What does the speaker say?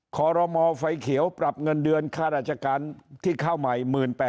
ขอรมอไฟเขียวปรับเงินเดือนค่าราชการที่เข้าใหม่๑๘๐๐